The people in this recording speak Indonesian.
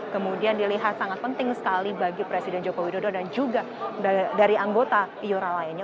kemudian dilihat sangat penting sekali bagi presiden joko widodo dan juga dari anggota iora lainnya